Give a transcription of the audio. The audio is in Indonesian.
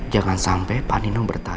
jangan sampai pak nino bertanya